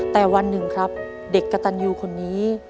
แต่วันหนึ่งครับเด็กกระตันยูคนนี้